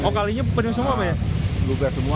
oh kalinya penuh semua